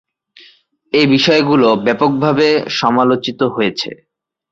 এ বিষয়গুলো ব্যাপকভাবে সমালোচিত হয়েছে।